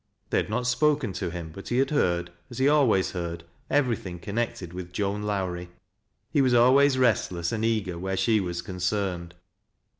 They had not spoken to him, but he had heard, as he always heard, everything connected with Joan Lowrie, He was always restless and eager where she was concerned.